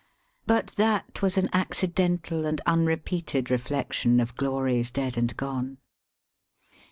But that was an accidental and xmrepeated reflec tion of glories dead and gone.